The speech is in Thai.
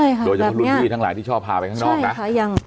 โดยเฉพาะรุ่นพี่ทั้งหลายที่ชอบพาไปข้างนอกนะ